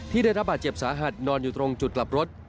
ได้รับบาดเจ็บสาหัสนอนอยู่ตรงจุดกลับรถ